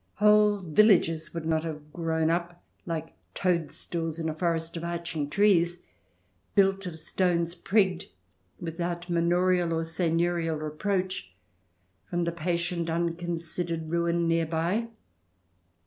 Whole villages would not have grown up, like toadstools in a forest of arching trees, built of stones prigged, without manorial or seigneurial re proach, from the patient unconsidered ruin near by.